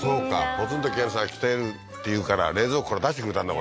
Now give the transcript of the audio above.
ポツンと一軒家さんが来てるっていうから冷蔵庫から出してくれたんだ